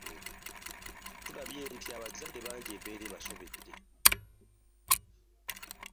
Tulabye nti abazadde bangi embeera ebasobedde .